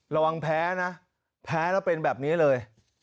ระวังแพ้นะแพ้แล้วเป็นแบบนี้เลย